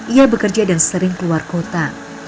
ia bekerja dan sering keluar kota